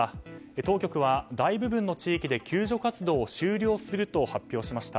当局は大部分の地域で救助活動を終了すると発表しました。